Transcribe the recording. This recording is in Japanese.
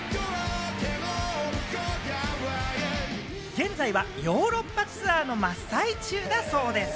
現在はヨーロッパツアーの真っ最中だそうです。